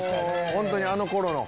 本当にあの頃の。